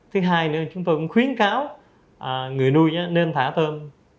thứ hai nữa chúng tôi cũng khuyến cáo người nuôi nên thả tôm